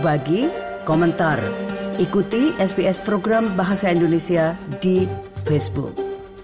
bagi komentar ikuti sps program bahasa indonesia di facebook